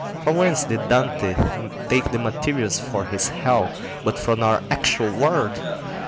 For whence did Dante take the materials for his hell but from this our actual world?